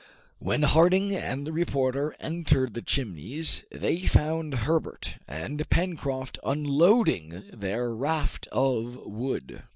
When Harding and the reporter entered the Chimneys, they found Herbert and Pencroft unloading their raft of wood.